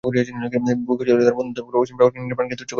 বুকে ছিল তাঁর বন্ধুত্বের বল, অসীম সাহসে নিজের প্রাণকে তুচ্ছ করেছেন।